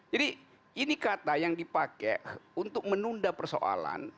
jadi ini kata yang dipakai untuk menunda persoalan